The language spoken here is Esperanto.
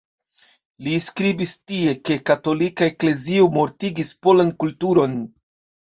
Li skribis tie, ke katolika eklezio "mortigis polan kulturon".